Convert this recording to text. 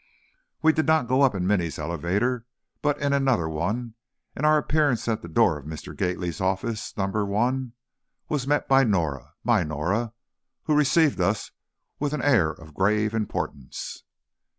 We did not go up in Minny's elevator, but in another one, and our appearance at the door of Mr. Gately's office number one, was met by Norah, my Norah, who received us with an air of grave importance.